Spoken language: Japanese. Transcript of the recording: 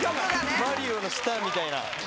マリオのスターみたいな。